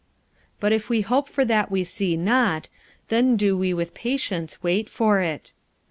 45:008:025 But if we hope for that we see not, then do we with patience wait for it.